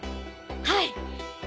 はい。